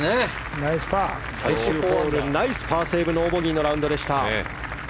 最終ホール、ナイスパーセーブノーボギーのラウンドでした。